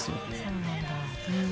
そうなんだ。